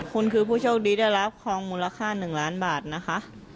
คุณคือผู้โชคดีได้รับของมูลค่า๑ล้านบาทนะคะ